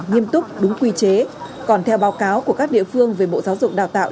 nghiêm túc đúng quy chế còn theo báo cáo của các địa phương về bộ giáo dục đào tạo